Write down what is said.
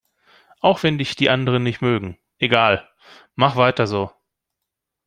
Auch wenn dich die anderen nicht mögen, egal, mach weiter so!